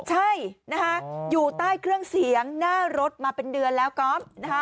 ใช่อยู่ใต้เครื่องเสียงหน้ารถมาเป็นเดือนแล้วก้อม